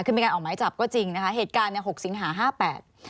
คือเป็นการออกไม้จับก็จริงนะคะเหตุการณ์เนี่ย๖สิงหา๕แปด